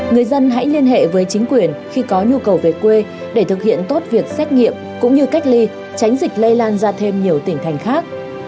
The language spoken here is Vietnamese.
người dân hãy liên hệ với chính quyền khi có nhu cầu về quê để thực hiện tốt việc xét nghiệm cũng như cách ly tránh dịch lây lan ra thêm nhiều tỉnh thành khác